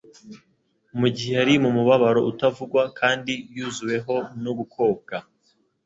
mu gihe yari mu mubabaro utavugwa kandi yuzuweho no gukobwa,